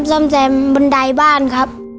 ซ่อมแซมบันไดบ้านครับ